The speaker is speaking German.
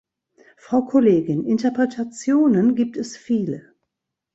Frau Kollegin, Interpretationen gibt es viele.